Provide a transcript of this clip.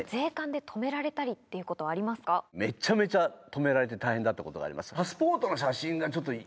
めちゃめちゃ止められて大変だったことがあります。